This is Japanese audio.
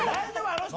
あの人！